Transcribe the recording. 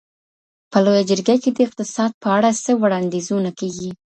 په لویه جرګه کي د اقتصاد په اړه څه وړاندیزونه کیږي؟